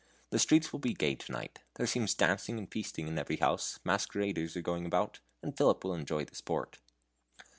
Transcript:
The streets will be gay to night. There seems dancing and feasting in every house, masqueraders are going about, and Philip will enjoy the sport."